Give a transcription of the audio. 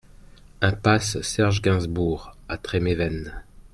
Impasse Serge Gainsbourg à Tréméven